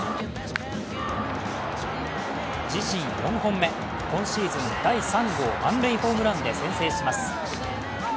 自身４本目、今シーズン第３号満塁ホームランで先制します。